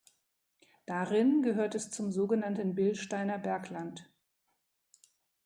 Darin gehört es zum sogenannten Bilsteiner Bergland.